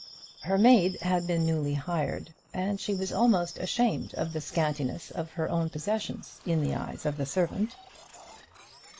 Her maid had been newly hired, and she was almost ashamed of the scantiness of her own possessions in the eyes of her servant.